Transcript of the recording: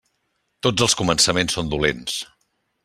Tots els començaments són dolents.